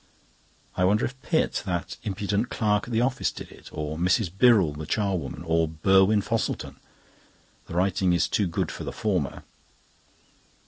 I wonder if Pitt, that impudent clerk at the office, did it? Or Mrs. Birrell, the charwoman, or Burwin Fosselton? The writing is too good for the former.